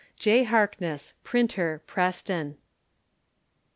J. Harkness, Printer, Preston.